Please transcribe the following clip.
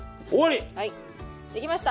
はいできました。